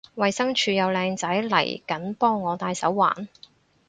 衛生署有靚仔嚟緊幫我戴手環